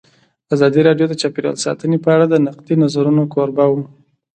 ازادي راډیو د چاپیریال ساتنه په اړه د نقدي نظرونو کوربه وه.